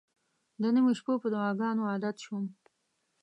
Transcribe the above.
د نیمو شپو په دعاګانو عادت شوم.